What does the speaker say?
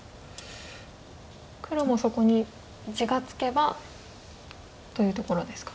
黒もそこに地がつけばというところですか。